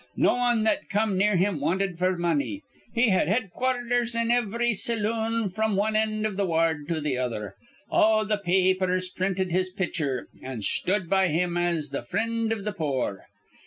No wan that come near him wanted f'r money. He had headquarthers in ivry saloon fr'm wan end iv th' ward to th' other. All th' pa apers printed his pitcher, an' sthud by him as th' frihd iv th' poor.